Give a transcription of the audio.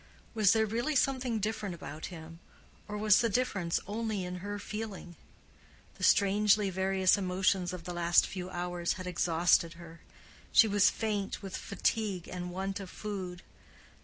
Was there really something different about him, or was the difference only in her feeling? The strangely various emotions of the last few hours had exhausted her; she was faint with fatigue and want of food.